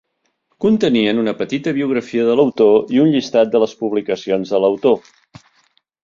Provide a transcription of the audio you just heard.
Contenien una petita biografia de l'autor i un llistat de les publicacions de l'autor.